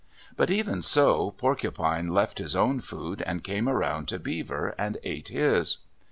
But even so, Porcupine left his own food, and came around to Beaver, and ate his.